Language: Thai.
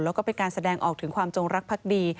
แล้วก็เป็นการแสดงออกถึงความจงรักภักดี